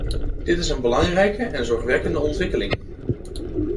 Dit is een belangrijke en zorgwekkende ontwikkeling.